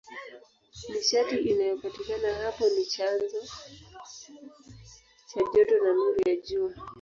Nishati inayopatikana hapo ni chanzo cha joto na nuru ya Jua.